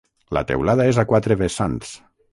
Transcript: La teulada és a quatre vessants.